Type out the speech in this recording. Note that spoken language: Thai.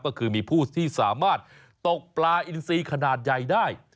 ก็คือมีผู้ที่สามารถตกปลาอินซีขนาดใหญ่ได้